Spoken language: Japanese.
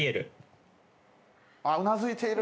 あうなずいている。